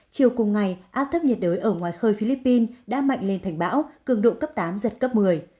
chiều cùng ngày áp thấp nhiệt đới ở ngoài khơi philippines đã mạnh lên thành bão cường độ cấp tám giật cấp một mươi